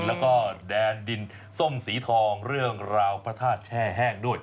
แล้วก็แดนดินส้มสีทองเรื่องราวพระธาตุแช่แห้งด้วย